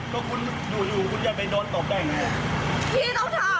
ก็คุณหนูอยู่คุณอย่าไปโดนตบได้ยังไง